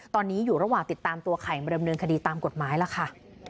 ตอนนี้อยู่ระหว่างติดตามตัวไข่มาดำเนินคดีตามกฎหมายล่ะค่ะ